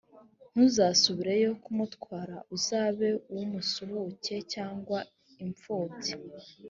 ntuzasubireyo kuwutwara; uzabe uw’umusuhuke, cyangwa impfubyi,